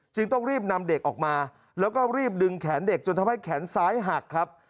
ต้องรีบนำเด็กออกมาแล้วก็รีบดึงแขนเด็กจนทำให้แขนซ้ายหักครับ